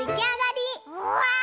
うわ！